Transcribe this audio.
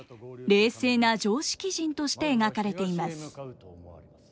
冷静な常識人として描かれています。